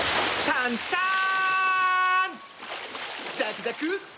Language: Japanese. タンターン！